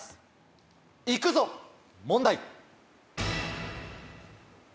行くぞ問題。